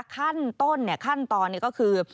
ขั้นต้นขั้นตอนนี้ก็คือ